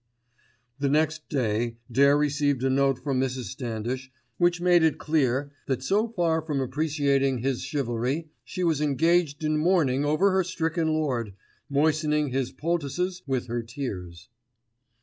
The next day Dare received a note from Mrs. Standish, which made it clear that so far from appreciating his chivalry, she was engaged in mourning over her stricken lord, moistening his poultices with her tears.